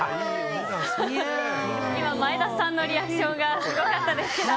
今、前田さんのリアクションがすごかったですけど。